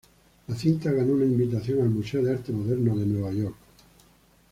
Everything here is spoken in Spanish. La cinta ganó una invitación al Museo de Arte Moderno de Nueva York.